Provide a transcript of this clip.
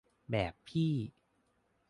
แบบพี่